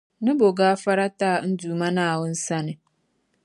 N-ni bo gaafara n-ti a n Duuma Naawuni sani.